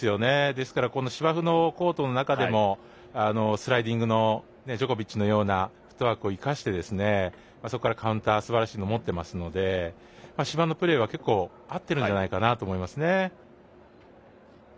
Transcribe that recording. ですから芝生のコートの中でもスライディングのジョコビッチのようなフットワークを生かしてそこからのすばらしいカウンターも持っていますから芝のプレーは結構合っているんじゃないかなと思いますね。